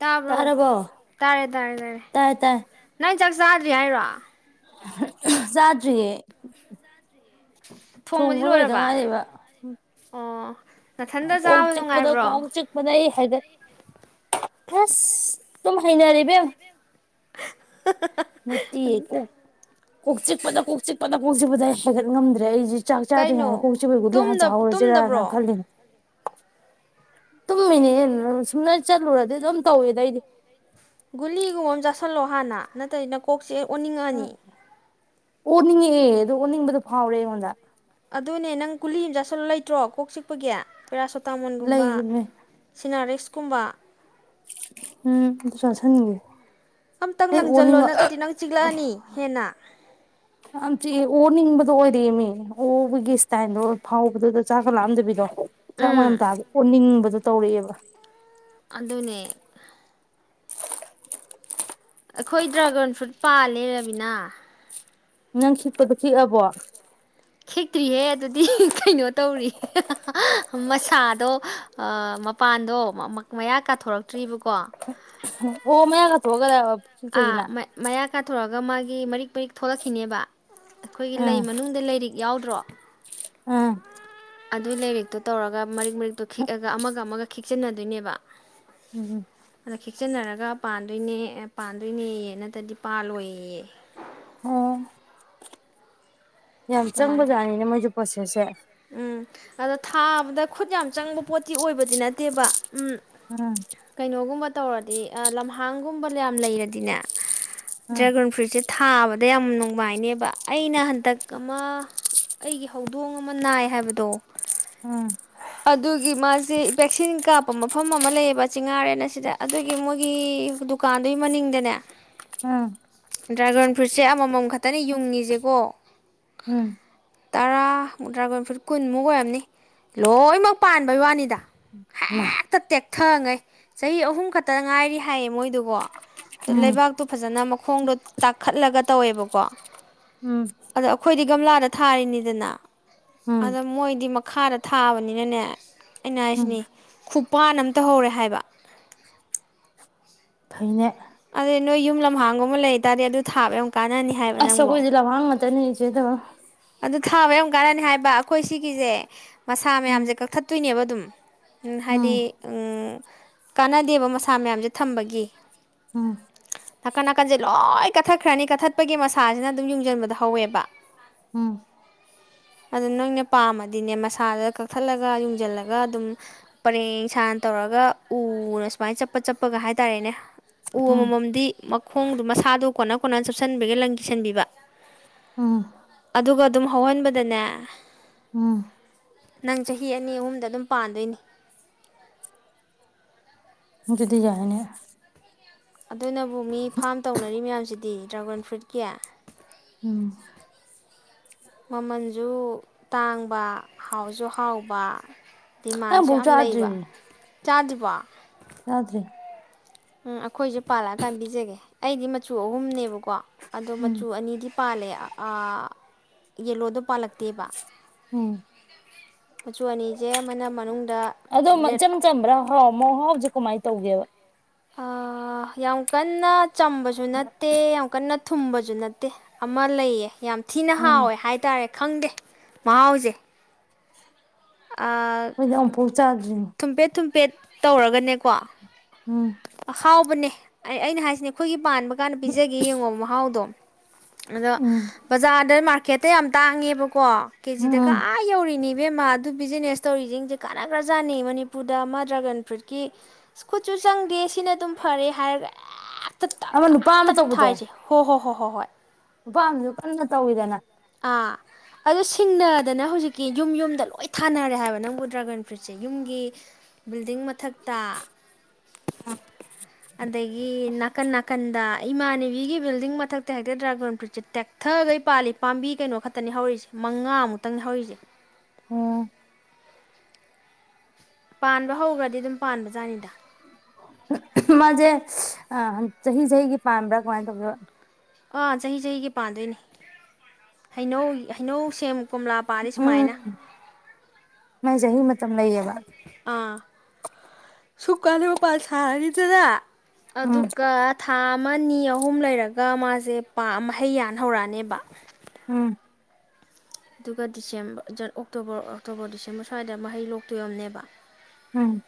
ꯇꯥꯕ꯭ꯔꯣ ꯇꯥꯔꯕꯣ ꯇꯥꯔꯦ ꯇꯥꯔꯦ ꯇꯥꯔꯦ ꯇꯥꯏ ꯇꯥꯏ ꯅꯪ ꯆꯥꯛ ꯆꯥꯗ꯭ꯔꯤ ꯍꯥꯏꯔꯣ ꯆꯗ꯭ꯔꯤꯌꯦ ꯊꯣꯡꯕꯗꯤ ꯂꯣꯏꯔꯕ ꯑꯣ ꯅꯥꯊꯟꯗ ꯀꯣꯛ ꯆꯥꯕ ꯆꯤꯛꯄꯗ ꯀꯣꯛ ꯅꯨꯡꯉꯥꯏꯕ꯭ꯔꯣ ꯆꯤꯛ ꯄꯗ ꯍꯥꯏꯗ ꯍꯁ ꯑꯗꯨꯝ ꯍꯩꯅꯔꯦꯕꯦꯝ ꯅꯠ ꯇꯤꯌꯦ ꯀꯣꯛ ꯆꯤꯛꯄꯗ ꯀꯣꯛ ꯆꯤꯛꯄꯗ ꯀꯣꯛ ꯆꯤꯛꯄꯗ ꯍꯥꯏꯒꯠ ꯉꯝꯗ꯭ꯔꯦ ꯑꯩꯁꯦ ꯆꯥꯛ ꯆꯥꯗ꯭ꯔꯤ ꯉꯥꯏꯗ ꯀꯩꯅꯣ ꯀꯣꯛ ꯆꯤꯛ ꯄꯩ ꯒꯨꯂꯤ ꯍꯥꯟꯅ ꯇꯨꯝꯗ ꯆꯥꯍꯧꯁꯤꯔꯅ ꯇꯨꯝꯗꯕ꯭ꯔꯣ ꯈꯜꯂꯤꯅꯦ ꯇꯨꯝꯃꯤꯅꯦꯅ ꯁꯨꯝꯅ ꯆꯠꯂꯨꯔꯗꯤ ꯑꯗꯨꯝ ꯇꯧꯋꯦ ꯑꯩꯗꯤ ꯒꯨꯂꯤꯒꯨꯝꯕ ꯑꯃ ꯆꯥꯥꯁꯜꯂꯣ ꯍꯥꯟꯅ ꯅꯠꯇ꯭ꯔꯗꯤ ꯅ ꯀꯣꯛ ꯑ ꯑꯣꯅꯤꯡꯉꯦ ꯑꯗꯨ ꯑꯣꯅꯤꯡꯕꯗꯨ ꯐ ꯐꯥꯎ ꯔꯦ ꯑꯩꯉꯣꯟꯗ ꯑꯗꯨꯅꯦ ꯅꯪ ꯀꯨꯂꯤ ꯑꯃ ꯆꯠꯁꯤꯜꯂ ꯂꯩꯇ꯭ꯔꯣ ꯀꯣꯛ ꯆꯤꯛꯄꯒꯤ ꯄꯦꯔꯥꯁꯣꯇꯥꯃꯣꯟꯒꯨꯝꯕ ꯂꯩꯒꯤꯕꯅꯦ ꯁꯤꯅꯔꯤꯁꯀꯨꯝꯕ ꯎꯝ ꯑꯗꯨꯁꯨ ꯆꯥꯁꯟꯒꯦ ꯑꯝꯇꯪ ꯂꯪꯁꯤꯜꯂꯣ ꯅꯠꯇ꯭ꯔꯗꯤ ꯅꯪ ꯆꯤꯛꯂꯛꯑꯅꯤ ꯍꯦꯟꯅ ꯌꯥꯝ ꯆꯤꯛꯑ ꯑꯣꯅꯤꯡꯕꯗꯣ ꯑꯣꯏꯔꯛꯃꯤ ꯑꯣꯕꯒꯤ ꯏꯁꯇꯥꯏꯜꯗꯣ ꯐꯥꯎꯕꯗꯨꯗ ꯆꯥꯈꯠꯂꯛꯑꯝꯗꯕꯤꯗꯣ ꯆꯞ ꯎꯝ ꯃꯅꯅ ꯇꯥꯕ ꯑꯣꯅꯤꯡꯕꯗ ꯇꯧꯔꯛꯑꯦꯕ ꯑꯗꯨ ꯑꯗꯨꯅꯦ ꯑꯩꯈꯣꯏ ꯗ꯭ꯔꯥꯒꯟ ꯐ꯭ꯔꯨꯠ ꯄꯥ ꯂꯩꯃꯤꯅ ꯅꯪ ꯈꯤꯛꯄꯗꯣ ꯈꯤꯛꯑꯕꯣ ꯈꯦꯛꯇ꯭ꯔꯤꯍꯦ ꯑꯗꯨꯗꯤ ꯀꯩꯅꯣ ꯇꯧꯔꯤ ꯃꯁꯥꯗꯣ ꯃꯄꯥꯟꯗꯣ ꯃꯌꯥ ꯀꯥꯊꯣꯔꯛꯇ꯭ꯔꯤꯕꯀꯣ ꯑꯣ ꯃ ꯀ ꯊꯣꯛꯒ ꯑꯥ ꯃꯌꯥ ꯀ ꯊ ꯑꯗꯨꯒ ꯃꯥꯒꯤ ꯃꯔꯤꯛ ꯃꯔꯤꯛ ꯊꯣꯛꯂꯛꯈꯤꯅꯦꯕ ꯑꯩꯈꯣꯏꯒꯤ ꯂꯩ ꯃꯅꯨꯡꯗ ꯂꯩꯔꯤ ꯌꯥꯎꯗ꯭ꯔꯣ ꯑꯝ ꯑꯗꯨ ꯂꯩꯦꯔꯤꯦꯛꯇꯣ ꯇꯧꯔꯒ ꯃꯔꯤꯛ ꯃꯔꯤꯛꯇꯣ ꯊꯤꯛꯑꯒ ꯑꯃꯒ ꯑꯃꯒ ꯈꯤꯛꯆꯟꯅꯗꯣꯏꯅꯦꯕ ꯎꯝ ꯎꯝ ꯑ ꯈꯤꯛꯆꯟꯅꯔꯒ ꯄꯥꯟꯗꯣꯏꯅꯦ ꯄꯥꯟꯗꯣꯏꯅꯦꯌꯦ ꯅꯠꯇ꯭ꯔꯗꯤ ꯄꯥꯜꯂꯣꯏꯌꯦꯌꯦ ꯑꯣ ꯌꯥꯝ ꯆꯪꯕ ꯑꯗꯨꯃꯥꯏꯅ ꯖꯥꯠꯅꯤꯅꯦ ꯃꯣꯏꯁꯨ ꯄꯣꯠꯁꯦꯁꯦ ꯎꯝ ꯑꯗ ꯊꯥꯕꯗ ꯈꯨꯠ ꯌꯥꯝ ꯆꯪꯕ ꯄꯣꯠꯇꯤ ꯑꯣꯏꯕꯗꯤ ꯅꯠꯇꯦꯕ ꯎꯝ ꯎꯝ ꯀꯩꯅꯣꯒꯨꯝꯕ ꯇꯧꯔꯗꯤ ꯂꯝꯍꯥꯡꯒꯨꯝꯕ ꯌꯥꯝ ꯂꯩꯔꯗꯤꯅꯦ ꯗ꯭ꯔꯦꯒꯟ ꯐ꯭ꯔꯨꯠꯁꯦ ꯊꯥꯕꯗ ꯌꯥꯝ ꯅꯨꯡꯉꯥꯏꯅꯦꯕ ꯑꯩꯅ ꯍꯟꯗꯛ ꯑꯃ ꯑꯩꯒꯤ ꯍꯧꯗꯣꯡ ꯑꯃ ꯅꯥꯏ ꯍꯥꯏꯕꯗꯣ ꯑꯝ ꯑꯗꯨꯒꯤ ꯃꯥꯁꯦ ꯚꯦꯛꯁꯤꯟ ꯀꯥꯞꯄ ꯃꯐꯝ ꯑꯃ ꯂꯩꯌꯦꯕ ꯆꯤꯡꯉꯥꯔꯦꯟꯅ ꯁꯤꯗ ꯑꯗꯨꯒꯤ ꯃꯣꯏꯒꯤ ꯗꯨꯀꯥꯟꯗꯨꯒꯤ ꯃꯅꯤꯡꯗꯅꯦ ꯎꯝ ꯎꯝ ꯗ꯭ꯔꯥꯒꯟ ꯐ꯭ꯔꯨꯠꯁꯦ ꯑꯃꯃꯝ ꯈꯛꯇꯅꯤ ꯌꯨꯡꯉꯤꯁꯦꯀꯣ ꯎꯝ ꯇꯔꯥꯃꯨ ꯇꯔꯥꯒꯣꯏꯐꯨꯠ ꯀꯨꯟꯃꯨꯛ ꯑꯣꯏꯔꯝꯅꯤ ꯂꯣꯏꯅꯃꯛ ꯄꯥꯟꯕꯩ ꯋꯥꯅꯤꯗ ꯑ ꯊꯪꯉꯦ ꯆꯍꯤ ꯑꯍꯨꯝ ꯈꯛꯇ ꯉꯥꯏꯔꯤ ꯍꯥꯏꯌꯦ ꯃꯣꯏ ꯑꯗꯨꯣ ꯎꯝ ꯂꯩꯕꯥꯛꯇꯣ ꯐꯖꯅ ꯃꯈꯣꯡꯗꯣ ꯇꯥꯈꯠꯂꯒ ꯇꯧꯋꯦꯕꯀꯣ ꯎꯝ ꯑꯗ ꯑꯩꯈꯣꯏꯗꯤ ꯒꯝꯂꯥꯗ ꯊꯥꯔꯤꯅꯤ ꯑꯗꯨꯅ ꯎꯝ ꯑꯗ ꯃꯣꯏꯗꯤ ꯈꯔꯠ ꯊꯥꯕꯅꯤꯅꯅꯦ ꯎꯝ ꯑꯩꯅꯁꯤꯅꯤ ꯈꯨꯞ ꯄꯄꯥꯟ ꯑꯃ ꯇꯧ ꯍꯧꯔꯦ ꯍꯥꯏꯕ ꯍꯩꯅ ꯑꯗꯨꯗꯩ ꯅꯣꯏ ꯌꯨꯝ ꯂꯝꯍꯥꯡꯒꯨꯝꯕ ꯂꯩꯕꯇꯥꯥꯔꯗꯤ ꯑꯗꯨ ꯊꯥꯕ ꯀꯥꯟꯅꯅꯤ ꯍꯥꯏꯕ ꯑꯁ ꯅꯪꯕꯣ ꯀꯣꯏꯗꯂ ꯋꯥꯉꯃ ꯇꯅꯤ ꯆꯗꯣ ꯑꯗꯨ ꯊꯥꯕ ꯌꯥꯝ ꯀꯥꯟꯅꯅꯤ ꯍꯥꯏꯕ ꯑꯩꯈꯣꯏ ꯁꯤꯒꯤꯁꯦ ꯃꯁꯥ ꯎꯝ ꯃꯌꯥꯝꯁꯦ ꯀꯛꯊꯠꯇꯣꯏꯅꯦꯕ ꯑꯗꯨꯝ ꯍꯥꯏꯗꯤ ꯎꯝ ꯀꯥꯟꯅꯗꯦꯕ ꯃꯁꯥ ꯃꯌꯥꯝꯁꯦ ꯊꯝꯕꯒꯤ ꯎꯝ ꯅꯥꯀꯟ ꯅꯥꯀꯟꯁꯦ ꯂꯣꯏ ꯀꯠꯊꯠꯈ꯭ꯔꯅꯤ ꯀꯠꯊꯠꯄꯒꯤ ꯃꯁꯥꯁꯤꯅ ꯑꯗꯨꯝ ꯌꯨꯡꯁꯤꯟꯕꯗ ꯍꯧꯋꯦꯕ ꯎꯝ ꯑꯗꯨ ꯅꯣꯏꯅ ꯄꯥꯝꯃꯗꯤꯅꯦ ꯃꯁꯥꯗ ꯀꯛꯊꯠꯂꯒ ꯌꯨꯡꯁꯤꯜꯂꯒ ꯑꯗꯨꯝ ꯄꯔꯦꯡ ꯁꯅ ꯇꯧꯔꯒ ꯎꯅ ꯁꯨꯃꯥꯏꯅ ꯆꯠꯄ ꯆꯠꯄꯒ ꯍꯥꯏꯇꯥꯔꯦꯅꯦ ꯎ ꯎꯝ ꯑꯃꯃꯝꯗꯤ ꯃꯈꯣꯡꯗꯨꯣ ꯃꯁꯥꯗꯨꯣ ꯀꯣꯟꯅ ꯀꯣꯟꯅ ꯆꯨꯞꯁꯤꯟꯕꯒꯤ ꯂꯪ ꯁꯟꯕꯤꯕ ꯎꯝ ꯑꯗꯨꯒ ꯑꯗꯨꯝ ꯍꯧꯍꯟꯕꯗꯅꯦ ꯎꯝ ꯅꯪ ꯆꯍꯤ ꯑꯅꯤ ꯑꯍꯨꯝꯗ ꯑꯗꯨꯝ ꯄꯥꯟꯗꯣꯏꯅꯤ ꯑꯗꯨꯗꯤ ꯌꯥꯅꯦ ꯑꯗꯨꯅꯕꯨ ꯃꯤ ꯐꯥꯝ ꯇꯧꯅꯔꯤ ꯃꯌꯥꯝꯁꯤꯗꯤ ꯗ꯭ꯔꯒꯟ ꯐ꯭ꯔꯨꯠ ꯀꯌꯥ ꯎꯝ ꯃꯃꯜꯁꯨ ꯇꯥꯡꯕ ꯍꯥꯎꯁꯨ ꯍꯥꯎꯕ ꯑ ꯧ ꯆꯖꯔꯤ ꯆꯥꯖꯕ ꯌꯥꯗ꯭ꯔꯤ ꯎꯝ ꯑꯩꯈꯣꯏꯁꯦ ꯄꯥꯜꯂꯛꯑꯀꯥꯟ ꯄꯤꯖꯒꯦ ꯑꯩꯗꯤ ꯃꯆꯨ ꯑꯍꯨꯝꯅꯦꯕꯀꯣ ꯑꯗꯣ ꯎꯝ ꯃꯆꯨ ꯑꯅꯤꯗꯤ ꯄꯥꯂꯦ ꯌꯦꯂꯣꯗ ꯄꯥꯜꯂꯛꯇꯦꯕ ꯎꯝ ꯃꯆꯨ ꯑꯅꯤꯁꯦ ꯑꯃꯅ ꯃꯅꯨꯡꯗ ꯑꯗꯣ ꯔꯦꯠ ꯏꯆꯝ ꯆꯝꯕ꯭ꯔꯥ ꯍꯥꯎ ꯃꯍꯥꯎꯁꯦ ꯀꯃꯥꯏꯅ ꯇꯧꯒꯦꯕ ꯌꯥꯝ ꯀꯟꯅ ꯆꯝꯕꯁꯨ ꯅꯠꯇꯦ ꯑꯃꯨꯛꯀꯟꯅ ꯊꯨꯝꯕꯁꯨ ꯅꯠꯇꯦ ꯑꯃ ꯂꯩꯌꯦ ꯌꯥꯝ ꯊꯤꯅ ꯎꯝ ꯍꯥꯎꯋꯦ ꯍꯥꯏꯇꯥꯔꯦ ꯈꯪꯗꯦ ꯃꯍꯥꯎꯁꯦ ꯑꯩꯈꯣꯏꯗꯤ ꯑꯃꯨꯛꯐꯥꯎ ꯆꯥꯗ꯭ꯔꯤ ꯊꯨꯝꯐꯦꯠ ꯊꯨꯝꯐꯦꯠ ꯇꯧꯔꯒꯅꯦꯀꯣ ꯎꯝ ꯑꯍꯥꯎꯕꯅꯦ ꯑꯩ ꯑꯩꯅ ꯍꯥꯏꯁꯤꯅꯦ ꯑꯩꯈꯣꯏꯒꯤ ꯄꯥꯟꯕ ꯀꯥꯟꯗ ꯄꯤꯖꯒꯦ ꯌꯦꯡꯉꯣ ꯃꯍꯥꯎꯗꯣ ꯎꯝ ꯑꯗꯖꯗ ꯃꯥ ꯍꯦꯛꯇ ꯌꯥꯝ ꯇꯥꯡꯉꯦꯕ ꯀꯣ ꯎꯝ ꯀꯦꯖꯤꯗ ꯀ ꯎꯝ ꯌꯧꯔꯤꯅꯤ ꯏꯕꯦꯝꯃ ꯑꯗꯨ ꯕꯤꯖꯤꯅꯦꯁ ꯇꯧꯔꯤꯁꯤꯡꯁꯦ ꯀꯥꯟꯅ ꯀ꯭ꯔꯖꯥꯠꯅꯩ ꯃꯅꯤꯄꯨꯔꯗ ꯃꯥ ꯗ꯭ꯔꯥꯒꯟ ꯐ꯭ꯔꯨꯏꯠꯀꯤ ꯈꯨꯠꯨꯠ ꯆꯪꯗꯦ ꯁꯤꯅ ꯑꯗꯨꯝ ꯐꯔꯦ ꯍꯥꯏꯔꯒ ꯑꯃ ꯅꯨꯄꯥ ꯑ ꯊꯅꯤ ꯊꯦ ꯍꯣ ꯍꯣ ꯍꯣꯏ ꯍꯣꯏ ꯍꯣꯏ ꯅꯨꯄꯥꯝꯁꯨ ꯀꯟꯅ ꯇꯧꯋꯤꯗꯅ ꯑꯥ ꯑꯗꯨ ꯁꯤꯡꯅꯗꯅ ꯍꯧꯖꯤꯛꯀꯤ ꯌꯨꯝ ꯌꯨꯝꯗ ꯂꯣꯏ ꯊꯥꯅꯔꯦ ꯍꯥꯏꯕ ꯅꯪꯕꯨ ꯗ꯭ꯔꯥꯒꯟ ꯐ꯭ꯔꯨꯏꯠꯁꯦ ꯌꯨꯝꯒꯤ ꯕꯤꯜꯗꯤꯡ ꯃꯊꯛꯇ ꯑꯗꯒꯤ ꯅꯥꯀꯟ ꯅꯥꯀꯟꯗ ꯏꯃꯥꯟꯅꯕꯤꯒꯤ ꯕꯤꯜꯗꯤꯡ ꯃꯊꯛꯇ ꯍꯦꯛꯇ ꯗ꯭ꯔꯥꯒꯣꯟ ꯐ꯭ꯔꯨꯔꯤꯠꯁꯦ ꯇꯦꯛꯊꯒꯩ ꯄꯥꯜꯂꯤ ꯄꯥꯝꯕꯤ ꯀꯩꯅꯣ ꯈꯛꯇꯅꯤ ꯍꯧꯔꯤꯁꯦ ꯃꯉꯥꯃꯨꯛꯇꯪꯅꯤ ꯍꯧꯔꯤꯁꯦ ꯎꯝ ꯄꯥꯟꯕ ꯍꯧꯈ꯭ꯔꯗꯤ ꯑꯗꯨꯝ ꯄꯥꯟꯕꯖꯥꯠꯅꯤꯗ ꯃꯥꯁꯦ ꯆꯍꯤ ꯆꯍꯤꯒꯤ ꯄꯥꯝꯕ꯭ꯔꯥ ꯀꯃꯥꯏꯅ ꯇꯧꯒꯦꯕ ꯑꯥ ꯆꯍꯤ ꯆꯍꯤꯒꯤ ꯄꯥꯟꯗꯣꯏꯅꯤ ꯍꯩꯅꯧ ꯍꯩꯅꯧ ꯁꯦꯝ ꯀꯣꯝꯂꯥ ꯄꯥꯜꯂꯤ ꯁꯨꯃꯥꯏꯅ ꯎꯝ ꯃꯥꯏ ꯖꯍꯤ ꯃꯠ ꯇꯝ ꯅꯩꯌꯦꯕ ꯁꯨꯝꯀꯥꯟꯗ ꯃꯄꯥꯟ ꯁꯔꯅꯤꯗꯅ ꯎꯝ ꯑꯗꯨꯒ ꯊꯥ ꯑꯃ ꯅꯤ ꯑꯍꯨꯝ ꯂꯩꯔꯒ ꯃꯥꯁꯦ ꯄꯥꯥꯝ ꯃꯍꯩꯌꯥꯟ ꯍꯧꯔꯛꯑꯅꯦꯕ ꯎꯝ ꯑꯗꯨꯒꯗꯤꯁꯦꯝꯕ ꯑꯣꯛꯇꯣꯕꯔ ꯑꯣꯛꯇꯣꯕꯔ ꯗꯤꯁꯦꯝꯕꯔ ꯁ꯭ꯋꯥꯏꯗ ꯃꯍꯩ ꯂꯣꯛꯇꯣꯏꯑꯣꯏꯝꯅꯦꯕ ꯎꯝ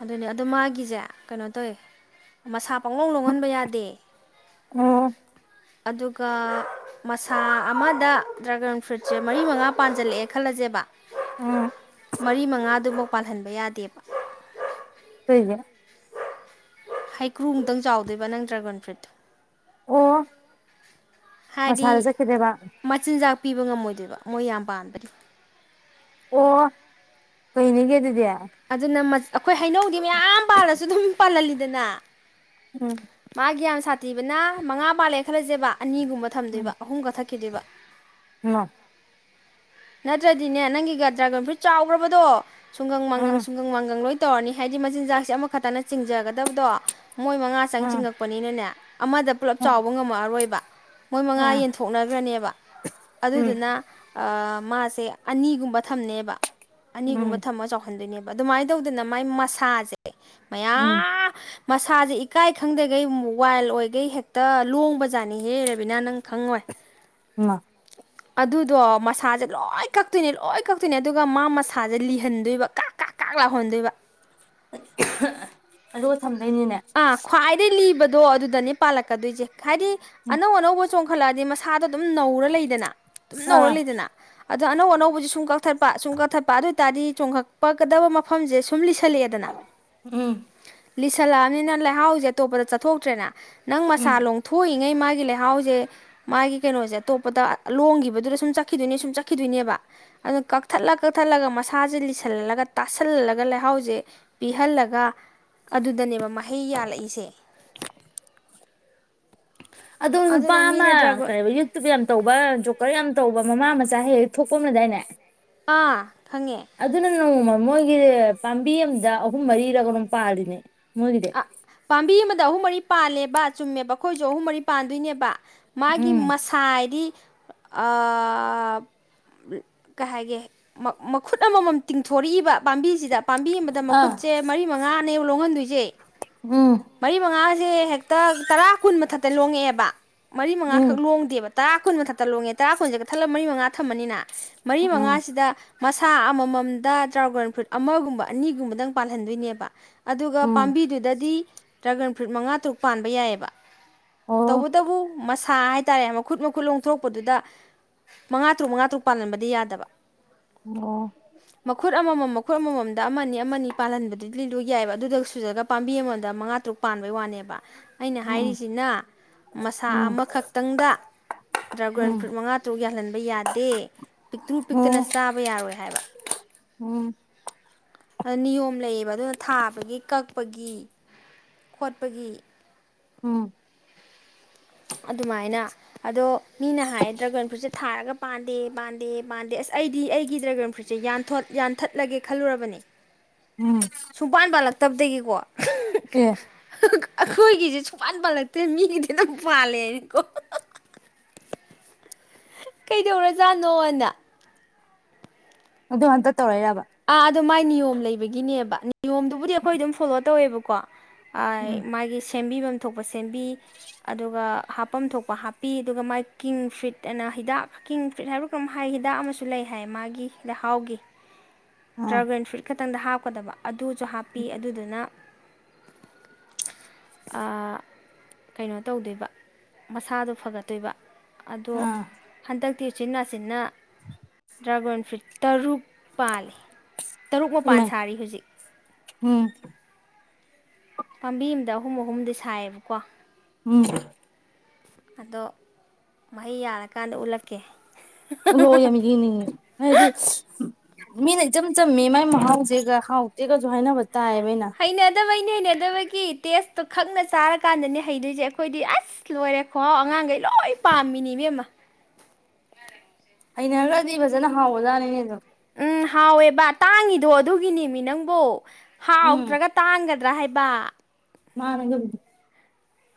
ꯑꯗꯨꯅꯦ ꯑꯗꯨ ꯃꯥꯒꯤꯖꯦ ꯀꯩꯅꯣ ꯇꯧꯋꯦ ꯃꯁꯥ ꯄꯪꯂꯣꯡ ꯂꯣꯡꯉꯟꯕ ꯌꯥꯗꯦ ꯑꯣ ꯑꯗꯨꯒ ꯃꯁꯥ ꯑꯃꯗ ꯗ꯭ꯔꯥꯒꯟ ꯐ꯭ꯔꯨꯏꯠꯁꯦ ꯃꯔꯤ ꯃꯉꯥ ꯄꯥꯟꯖꯜꯂꯛꯑꯦ ꯈꯜꯂꯖꯦꯕ ꯎꯝ ꯃꯔꯤ ꯃꯉꯥꯗꯨꯕꯧ ꯄꯥꯜꯍꯟꯕ ꯌꯥꯗꯦꯕ ꯀꯩꯒꯤ ꯍꯩꯀ꯭ꯔꯨ ꯃꯨꯛꯇꯪ ꯆꯥꯎꯗꯣꯏꯕ ꯅꯪ ꯗ꯭ꯔꯥꯒꯣꯟ ꯐ꯭ꯔꯨꯏꯠꯇꯣ ꯑꯣ ꯍꯥꯏꯗꯤ ꯃꯁꯥꯗ ꯆꯠꯈꯤꯗꯦꯕ ꯃꯆꯤꯟꯖꯥꯛ ꯄꯤꯕ ꯉꯝꯃꯣꯏꯗꯣꯏꯕ ꯃꯣꯏ ꯌꯥꯝ ꯄꯥꯟꯕꯒꯤ ꯑꯣ ꯀꯩꯅꯤꯒꯦ ꯑꯗꯨꯗꯤ ꯑꯗꯨꯅ ꯃ ꯑꯩꯈꯣꯏ ꯍꯩꯅꯧꯗꯤ ꯃꯌꯥꯝ ꯄꯥꯜꯂꯁꯨ ꯑꯗꯨꯝ ꯄꯥꯜꯍꯜꯂꯤꯗꯅ ꯎꯝ ꯃꯥꯒꯤ ꯌꯥꯝ ꯁꯥꯇꯤꯕꯅ ꯃꯉꯥ ꯄꯥꯂꯦ ꯈꯜ ꯂꯖꯦꯕ ꯑꯅꯤꯒꯨꯝꯕ ꯊꯝꯗꯣꯏꯕ ꯑꯍꯨꯝꯒ ꯀꯛꯊꯠ ꯈꯤꯗꯣꯏꯕ ꯎ ꯅꯠꯇ꯭ꯔꯗꯤꯅꯦ ꯅꯪꯒꯤꯒ ꯗ꯭ꯔꯥꯒꯟ ꯐ꯭ꯔꯨꯠ ꯆꯥꯎꯒꯔꯕꯗꯣ ꯁꯨꯡꯒꯪ ꯃꯥꯡꯒꯪ ꯎꯝ ꯁꯨꯡꯒꯪ ꯃꯥꯡꯒꯪ ꯂꯣꯏ ꯇꯧꯔꯅꯤ ꯍꯥꯏꯗꯤ ꯃꯆꯤꯟꯖꯥꯛꯁꯦ ꯑꯃꯈꯛꯇꯅ ꯆꯤꯡꯖꯒꯗꯕꯗꯣ ꯃꯣꯏ ꯃꯉꯥ ꯆꯪ ꯎꯝ ꯆꯤꯡꯉꯛꯄꯅꯤꯅꯅꯦ ꯑꯃꯗ ꯄꯨꯂꯞ ꯎꯝ ꯆꯥꯎꯕ ꯉꯝꯃꯛꯑꯔꯣꯏꯕ ꯃꯣꯏ ꯃꯉꯥ ꯑꯥ ꯌꯦꯟꯊꯣꯛꯅꯒꯔꯅꯦꯕ ꯎꯝ ꯑꯗꯨꯗꯨꯅ ꯑꯥ ꯃꯥꯁꯦ ꯑꯅꯤꯒꯨꯝꯕ ꯊꯝꯅꯦꯕ ꯑꯅꯤꯒꯨꯝꯕ ꯎꯝ ꯊꯝꯃ ꯆꯥꯎꯍꯟꯗꯣꯏꯅꯦꯕ ꯑꯗꯨꯃꯥꯏ ꯇꯧꯗꯅ ꯃꯥꯏ ꯃꯁꯥꯁꯦ ꯎꯝ ꯃꯌꯥꯝ ꯃꯁꯥꯁꯦ ꯏꯀꯥꯏ ꯈꯪꯗꯈꯩ ꯋꯥꯏꯜ ꯑꯣꯏꯈꯩ ꯍꯦꯛꯇ ꯂꯣꯡꯕꯖꯥꯠꯅꯤ ꯍꯦꯕꯤꯅꯥ ꯅꯪ ꯈꯪꯉꯣꯏ ꯃꯥ ꯑꯗꯨꯗꯣ ꯃꯁꯥ ꯆꯠ ꯂꯣꯏ ꯀꯛꯇꯣꯏꯅꯦ ꯂꯣꯏ ꯀꯛꯇꯣꯏꯅꯦ ꯑꯗꯨꯒ ꯃꯥ ꯃꯁꯥꯁꯦ ꯂꯤꯍꯟꯗꯣꯏꯕ ꯀꯥꯛ ꯀꯥꯛ ꯀꯥꯛ ꯂꯥꯎꯍꯟꯗꯣꯏꯕ ꯑꯗꯨ ꯑ ꯈ꯭ꯋꯥꯗꯅꯤꯕ ꯑꯗꯣ ꯑꯗꯨꯗꯅꯦ ꯄꯥꯜꯂꯛꯀꯗꯣꯏꯁꯦ ꯈꯗꯤ ꯑꯅꯧ ꯑꯅꯧꯕ ꯆꯣꯡꯈꯠꯂꯛꯑꯗꯤ ꯃꯁꯥꯗꯣꯝ ꯅꯧꯔ ꯂꯩꯗꯅ ꯑꯗꯨꯝ ꯅꯧꯔ ꯑꯥ ꯂꯩꯗꯅ ꯑꯗ ꯑꯅꯧ ꯑꯅꯧꯕꯁ ꯁꯨꯝ ꯀꯛꯊꯠꯄ ꯁꯨꯝ ꯀꯥꯊꯠꯄ ꯑꯗꯨ ꯑꯣꯏꯇꯥꯔꯗꯤ ꯆꯣꯡꯈꯛꯄꯒꯗꯕ ꯃꯐꯝꯁꯦ ꯁꯨꯝ ꯆꯠꯂꯦꯗꯅ ꯎꯝ ꯂꯤꯁꯂꯥ ꯅꯤꯅ ꯂꯩꯍꯥꯎꯁꯦ ꯑꯇꯣꯞꯄꯗ ꯆꯠꯊꯣꯛꯇ꯭ꯔꯦꯅ ꯅꯪ ꯎꯝ ꯃꯁꯥ ꯂꯣꯡꯊꯣꯛꯏꯉꯩ ꯃꯥꯒꯤ ꯂꯩꯍꯁꯦ ꯃꯥꯒꯤ ꯀꯩꯅꯣꯁꯦ ꯑꯇꯣꯞꯄꯗ ꯂꯣꯡꯈꯤꯕꯗꯨꯗ ꯁꯨꯝ ꯆꯠꯈꯤꯗꯣꯏꯅꯦ ꯁꯨꯝ ꯆꯠꯈꯤꯗꯣꯏꯅꯦꯕ ꯑꯗꯨꯅ ꯀꯛꯊꯠꯂ ꯀꯛꯊꯠꯂꯒ ꯃꯁꯥꯁꯦ ꯂꯤꯁꯜꯂꯒ ꯇꯥꯁꯜꯂꯒ ꯂꯩꯍꯥꯎꯁꯦ ꯄꯤꯍꯜꯂꯒ ꯑꯗꯨꯗꯅꯦꯕ ꯍꯩ ꯌꯥꯜꯂꯛꯏꯁꯦ ꯑꯗꯣ ꯅꯨꯄꯥ ꯑꯗꯨꯅ ꯑꯃ ꯃꯤꯅ ꯗ꯭ꯔꯥꯒꯣꯟ ꯀꯩꯅ ꯌꯨꯇꯨꯕ ꯌꯥꯝ ꯇꯧꯕ ꯖꯣꯀꯔ ꯌꯥꯝ ꯇꯧꯕ ꯃꯃꯥ ꯃꯆꯥ ꯍꯦꯛ ꯍꯦꯛ ꯊꯣꯛꯄꯝꯅꯗꯥꯏꯅꯦ ꯑꯥ ꯈꯪꯉꯦ ꯑꯗꯨ ꯅ ꯅ ꯃꯣꯏꯒꯤ ꯄꯥꯝꯕꯤ ꯑꯝꯗ ꯑꯍꯨꯝ ꯃꯔꯤꯔꯒ ꯑꯗꯨꯝ ꯄꯥꯔꯤꯅꯦ ꯑ ꯄꯥꯝꯕꯤ ꯑꯃꯗ ꯑꯍꯨꯝ ꯃꯔꯤ ꯄꯥꯜꯂꯦ ꯕꯥ ꯆꯨꯝꯃꯦꯕ ꯑꯩꯈꯣꯏꯁꯨ ꯑꯍꯨꯝ ꯃꯔꯤ ꯄꯥꯟꯗꯣꯏꯅꯦꯕ ꯃꯥꯒꯤ ꯎꯝ ꯃꯁꯥꯏꯗꯤ ꯀꯩ ꯍꯥꯏꯒꯦ ꯃꯈꯨꯠ ꯑꯃꯃꯝ ꯇꯤꯡꯊꯣꯔꯛꯏꯕ ꯄꯥꯝꯕꯤꯁꯤꯗ ꯄꯥꯝꯕꯤ ꯑꯃꯗ ꯑꯥ ꯃꯈꯨꯠꯁꯦ ꯃꯔꯤ ꯃꯉꯥꯅꯦ ꯂꯣꯡꯍꯟꯗꯣꯏꯁꯦ ꯌꯦꯦ ꯎꯝ ꯃꯔꯤ ꯃꯉ ꯇꯦ ꯇꯔꯥ ꯀꯨꯟ ꯃꯊꯛ ꯇ ꯂꯣꯡꯉꯛꯑꯦꯕ ꯃꯔꯤ ꯎꯝ ꯃꯉꯥꯈꯛ ꯂꯣꯡꯗꯦꯕ ꯇꯔꯥ ꯀꯨꯟ ꯃꯊꯛꯇ ꯂꯣꯡꯉꯦ ꯇꯔꯥ ꯀꯨꯟꯁꯦꯒ ꯊꯜꯂꯒ ꯃꯔꯤ ꯃꯉꯥ ꯊꯃꯅꯤꯅ ꯃꯔꯤ ꯎꯝ ꯃꯉꯥꯁꯤꯗ ꯃꯁꯥ ꯑꯃꯃꯝꯗ ꯇ꯭ꯔꯥꯎꯒꯟ ꯐ꯭ꯔꯨꯏꯠ ꯑꯃꯒꯨꯝꯕ ꯑꯅꯤꯒꯨꯝꯕꯗꯪ ꯄꯥꯜꯍꯟꯗꯣꯏꯅꯦꯕ ꯑꯗꯨꯒ ꯎꯝ ꯄꯥꯝꯕꯤꯗꯨ ꯗꯤ ꯗ꯭ꯔꯥꯒꯟ ꯐ꯭ꯔꯨꯏꯠ ꯃꯉꯥ ꯇꯔꯨꯛ ꯄꯥꯟꯕ ꯌꯥꯏꯑꯕ ꯑꯣ ꯇꯧꯕꯨ ꯇꯕꯨ ꯃꯁ ꯁꯥ ꯍꯥꯏꯇꯥꯔꯦ ꯃꯈꯨꯠ ꯃꯈꯨꯠ ꯂꯣꯡꯊꯣꯛꯄꯗꯨꯗ ꯃꯉꯥ ꯇꯔꯨꯛ ꯃꯉꯥ ꯇꯔꯨꯛ ꯄꯥꯜꯂꯝꯕꯗꯤ ꯌꯥꯗꯕ ꯑꯣ ꯃꯈꯨꯠ ꯑꯃꯃꯝ ꯃꯈꯨꯠ ꯑꯃꯃꯝꯗ ꯑꯃꯅꯤ ꯑꯃꯅꯤ ꯄꯥꯜꯍꯟꯕꯗꯨ ꯂꯤꯂꯨ ꯌꯥꯏꯕ ꯑꯗꯨꯗꯁꯨꯖꯗ ꯄꯥꯝꯕꯤ ꯑꯃꯗ ꯃꯉꯥ ꯇꯔꯨꯛ ꯄꯥꯟꯕꯩ ꯋꯥꯅꯦꯕ ꯑꯩꯅ ꯎꯝ ꯍꯥꯏꯔꯤꯁꯤꯅ ꯃꯁꯥ ꯎꯝ ꯑꯃꯈꯛꯇꯪꯗ ꯗ꯭ꯔꯥꯒꯟ ꯎꯝ ꯐ꯭ꯔꯨꯏꯠ ꯃꯉꯥ ꯇꯔꯨꯛ ꯌꯥꯜꯍꯟꯕ ꯌꯥꯗꯦ ꯄꯤꯛꯇꯨ ꯄꯤꯛꯇꯅ ꯑꯣ ꯆꯥꯕ ꯌꯥꯔꯣꯏ ꯍꯥꯏꯕ ꯎꯝ ꯅꯤꯌꯣꯝ ꯂꯩꯌꯦꯕ ꯑꯗꯨꯅ ꯊꯥꯕꯒꯤ ꯀꯛ ꯄꯒꯤ ꯈꯣꯠꯄꯒꯤ ꯎꯝ ꯑꯗꯨꯃꯥꯏꯅ ꯑꯗꯣ ꯃꯤꯅ ꯍꯥꯏꯌꯦ ꯗ꯭ꯔꯥꯒꯟ ꯐ꯭ꯔꯨꯏꯠꯁꯦ ꯊꯥꯔꯒ ꯄꯥꯟꯗꯦ ꯄꯥꯟꯗꯦ ꯄꯥꯟꯗꯦ ꯑꯁ ꯑꯩꯗꯤ ꯑꯩꯒꯤ ꯗ꯭ꯔꯥꯒꯟ ꯐ꯭ꯔꯨꯏꯠꯁꯦ ꯌꯥꯟꯊꯠꯂꯒꯦ ꯈꯜꯂꯨꯔꯕꯅꯤ ꯁꯨꯃꯥꯟ ꯄꯂꯛ ꯇꯞꯗꯒꯤꯀꯣ ꯄꯦ ꯑꯩꯈꯣꯏꯒꯤꯁꯦ ꯁꯨꯄꯥꯟ ꯄꯥꯜꯂꯛꯇ꯭ꯔꯦ ꯃꯤꯒꯤꯗꯤ ꯑꯗꯨꯪ ꯄꯥꯜꯂꯦꯅꯤꯀꯣ ꯀꯩꯗꯧꯔꯖꯥꯠꯅꯣꯅ ꯑꯗꯣ ꯑꯥ ꯑꯗꯨ ꯃꯥꯏ ꯅꯤꯌꯣꯝꯅꯤ ꯂꯩꯕꯒꯤꯅꯦꯕ ꯅꯤꯌꯣꯝꯗꯨꯕꯨꯗꯤ ꯑꯩꯈꯣꯏ ꯑꯗꯨꯝ ꯐꯣꯂꯣ ꯇꯧꯋꯦꯕꯀꯣ ꯎꯝ ꯃꯥꯒꯤ ꯁꯦꯝꯕꯤꯐꯝ ꯊꯣꯛꯄ ꯁꯦꯝꯕꯤ ꯑꯗꯨꯒ ꯍꯥꯞꯄꯝ ꯊꯣꯛꯄ ꯍꯥꯞꯄꯤ ꯑꯗꯨꯒ ꯃꯥꯥꯏ ꯀꯤꯡꯡ ꯐ꯭ꯨꯔꯤꯠ ꯑꯅ ꯍꯤꯗꯥꯛ ꯀꯤꯡꯡ ꯐꯨꯔꯤꯠ ꯍꯥꯏꯕꯒ ꯍꯥꯏ ꯍꯤꯗꯥꯛ ꯑꯃꯁꯨ ꯂꯩ ꯍꯥꯏ ꯃꯥꯒꯤꯗꯥꯛꯍꯥꯎꯒꯤ ꯑꯥ ꯗꯔ꯭ꯥ ꯒꯟꯐꯔ꯭ꯨꯏꯠꯀꯥ ꯈꯤꯇꯪꯗ ꯍꯥꯞꯀꯗꯕ ꯑꯗꯨꯁꯨ ꯍꯥꯞꯄꯤ ꯑꯗꯨꯗꯨꯅ ꯀꯩꯅꯣ ꯇꯧꯗꯣꯏꯕ ꯃꯁꯥꯗꯣ ꯐꯒꯠꯇꯣꯏꯕ ꯑꯗꯣ ꯑꯥ ꯍꯟꯗꯛ ꯇꯤꯔꯁꯤꯟ ꯅꯥꯁꯤꯟꯅ ꯗ꯭ꯔꯥꯒꯟ ꯐ꯭ꯔꯨꯠ ꯇꯔꯨꯛꯄꯥꯦ ꯇꯔꯨꯛ ꯃꯄꯥꯟ ꯏꯃꯥꯏ ꯁꯥꯔꯤ ꯍꯧꯖꯤꯛ ꯎꯝ ꯄꯥꯝꯕꯤ ꯑꯃꯗ ꯑꯍꯨꯝ ꯑꯍꯨꯝꯗꯤ ꯁꯥꯏꯌꯦꯕꯀꯣ ꯎꯝ ꯑꯗꯣ ꯃꯍꯩ ꯌꯥꯜꯂꯀꯥꯟꯗ ꯎꯠꯂꯛꯀꯦ [unintelligible] ꯃꯤꯅ ꯏꯆꯝ ꯆꯝ ꯃꯤ ꯃꯥꯏ ꯃꯍꯥꯎꯁꯦꯒ ꯍꯥꯎꯇꯦꯒꯁꯨ ꯍꯥꯏꯅꯕ ꯇꯥꯌꯌꯦꯕ ꯑꯩꯅ ꯏꯩꯅ ꯍꯩꯅꯗꯕꯒꯤ ꯇꯦꯁꯇꯣ ꯈꯪꯅ ꯆꯥꯔꯀꯥꯟꯗꯅꯦ ꯍꯩꯗꯣꯏꯁꯦ ꯑꯩꯈꯣꯏꯗꯤ ꯑꯁ ꯂꯣꯏꯔꯦ ꯈꯣꯍꯥꯎ ꯑꯉꯥꯡꯈꯩ ꯂꯣꯏ ꯄꯥꯝꯃꯤꯅꯦ ꯏꯕꯦꯝꯃ ꯍꯩꯅꯉꯔꯒꯗꯤ ꯐꯖꯅ ꯍꯥꯎꯕꯖꯥꯅꯤꯅꯦ ꯑꯗꯨꯝ ꯎꯝ ꯍꯥꯎꯋꯦ ꯕ ꯇꯥꯡꯉꯤꯗꯣ ꯑꯗꯨꯒꯤꯅꯤꯃꯤ ꯅꯪꯕꯣ ꯍꯥꯎ ꯇ꯭ꯔꯒ ꯇꯥꯡꯒꯗ ꯔꯥ ꯍꯥꯏꯕ ꯃꯥꯅꯥꯉꯝ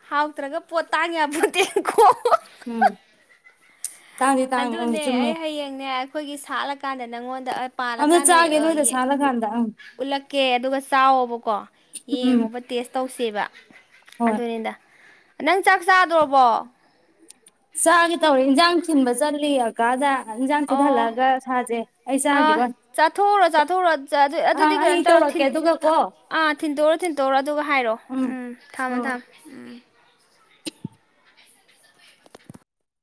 ꯍꯥꯎꯇ꯭ꯔꯒ ꯄꯣꯠ ꯇꯥꯡ ꯌꯥꯃꫭꯟꯇꯦꯀꯣ ꯎꯝ ꯇꯥꯡꯗꯤ ꯇꯥꯡꯉꯦ ꯑꯪ ꯑꯗꯨꯅꯦ ꯆꯨꯝꯃꯦ ꯑꯩ ꯍꯌꯦꯡꯅꯦ ꯑꯈꯣꯏꯒꯤ ꯁꯥꯠꯂꯀꯥꯟꯗ ꯅꯪꯉꯣꯟꯗ ꯑꯗ ꯑꯝꯇ ꯄꯥꯜꯂꯀꯥꯟꯗ ꯆꯥꯒꯦ ꯅꯣꯏꯗ ꯁꯥꯠꯂꯀꯥꯟꯗ ꯑꯪ [unintelligible] ꯎꯠꯂꯛꯀꯦ ꯑꯗꯨꯒ ꯆꯥꯎꯋꯣꯕꯀꯣ ꯎꯝ ꯌꯦꯡꯉꯣꯕ ꯇꯦꯁ ꯇꯧꯁꯦꯕ ꯍꯣꯏ ꯑꯗꯨꯅꯤꯗ ꯅꯪ ꯆꯥꯛ ꯆꯥꯗꯣꯔꯕꯣ ꯆꯥꯒꯦ ꯇꯧꯔꯦ ꯏꯟꯁꯥꯡ ꯊꯤꯟꯕ ꯆꯠꯂꯤ ꯀꯀꯥꯗ ꯑꯣ ꯑꯥ ꯆꯥꯈꯤꯔꯣꯏ ꯆꯥꯊꯣꯛꯎꯔꯣ ꯆꯥꯊꯣꯛꯎꯔꯣ ꯑꯥ ꯑꯗꯨꯗꯤ ꯑꯩ ꯀꯩꯅꯣ ꯇꯧꯔꯣ ꯇꯧꯔꯛꯀꯦ ꯊꯤꯟ ꯑꯗꯨꯒ ꯀꯣ ꯑꯥ ꯊꯤꯟꯇꫭꯛꯎꯔꯣ ꯊꯤꯟ ꯇꯧꯔꯛ ꯑꯗꯨꯒ ꯍꯥꯏꯔꯛꯑꯣ ꯎꯝ ꯊꯝꯃꯣ ꯎꯝ ꯊꯝꯃꯣ ꯎꯝ